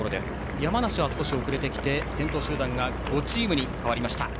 山梨は少し遅れてきて先頭集団が５チームに変わりました。